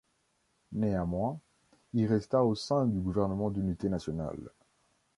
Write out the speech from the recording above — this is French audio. Néanmoins, il resta au sein du gouvernement d'unité nationale.